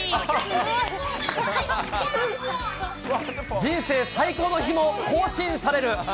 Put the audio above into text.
人生最高の日も更新される。